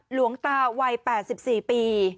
หลวงตาวัย๘๔ปี